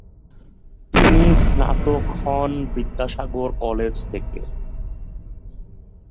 তিনি স্নাতক হন বিদ্যাসাগর কলেজ থেকে।